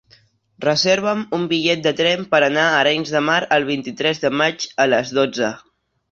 Reserva'm un bitllet de tren per anar a Arenys de Mar el vint-i-tres de maig a les dotze.